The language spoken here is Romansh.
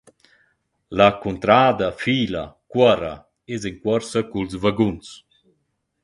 La cuntrada fila, cuorra, es in cuorsa cu’ls vaguns.